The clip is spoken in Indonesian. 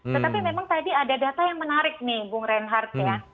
tetapi memang tadi ada data yang menarik nih bung reinhardt ya